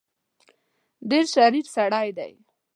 ډېر شریر سړی دی.